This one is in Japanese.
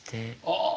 ああ。